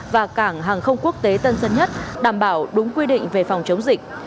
và cảng hàng không quốc tế tân sân nhất đảm bảo đúng quy định về phòng chống dịch